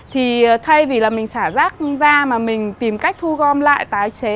thì thay vì là mình xả rác ra mà mình tìm cách thu gom lại tái chế